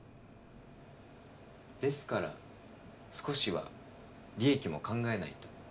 ですから少しは利益も考えないと。